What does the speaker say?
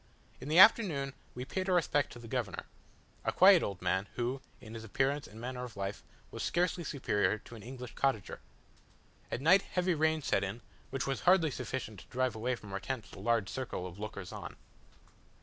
In the afternoon we paid our respects to the governor a quiet old man, who, in his appearance and manner of life, was scarcely superior to an English cottager. At night heavy rain set in, which was hardly sufficient to drive away from our tents the large circle of lookers on.